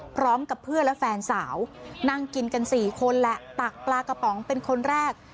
พร้อมกับเพื่อนและแฟนสาวนั่งกินกัน๔คนแหละตักปลากระป๋องเป็นคนแรก